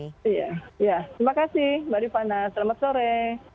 iya ya terima kasih mbak rifana selamat sore